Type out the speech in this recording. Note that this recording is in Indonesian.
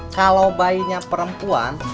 kalau bayinya perempuan